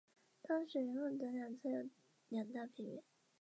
在此期间交战双方与车臣当地居民均遭受了惨重伤亡。